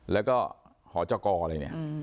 แล้วก็หอจกรอะไรเนี่ย